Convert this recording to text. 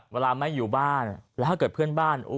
เวลาไม่อยู่บ้านแล้วถ้าเกิดเพื่อนบ้าน